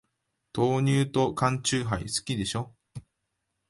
豆乳と缶チューハイ、好きでしょ。